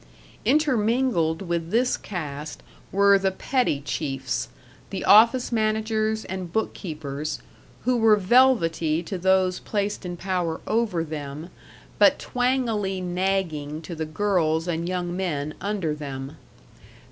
Intermingled with this caste were the petty chiefs, the office managers and bookkeepers, who were velvety to those placed in power over them, but twangily nagging to the girls and young men under them.